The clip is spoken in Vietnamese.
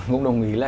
cũng đồng ý là